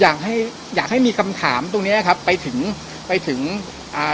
อยากให้อยากให้มีคำถามตรงเนี้ยครับไปถึงไปถึงอ่า